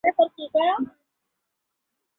ও, তা বটে।